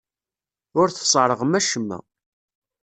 Ur tesserɣem acemma.